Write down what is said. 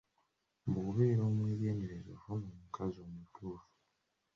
Bwobeera omwegendereza ofuna omukazi omutuufu.